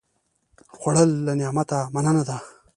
خوړل له نعمته مننه ده